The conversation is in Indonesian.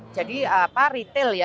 jadi retail ya